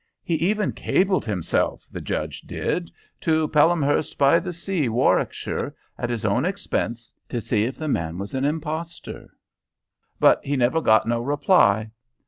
He even cabled himself, the judge did, to Pelhamhurst by the Sea, Warwickshire, at his own expense, to see if the man was an impostor, but he never got no reply.